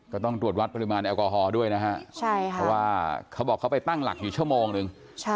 ก็ต้องตรวจวัดปริมาณแอลกอฮอลด้วยนะฮะเพราะว่าเขาบอกเขาไปตั้งหลักอยู่ชั่วโมงนึง